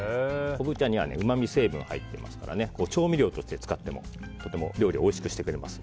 昆布茶にはうまみ成分が入っていますから調味料として使っても料理をおいしくしてくれます。